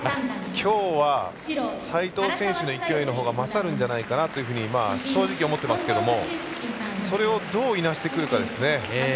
きょうは斉藤選手の勢いのほうが勝るんじゃないかなというふうに正直思ってますけどもそれをどういなしてくるかですね。